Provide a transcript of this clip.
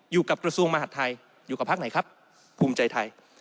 อยู่กับกระทรวงมหัฐไทยอยู่กับภักดิ์ไหนครับภูมิใจไทย